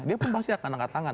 dia pun pasti akan angkat tangan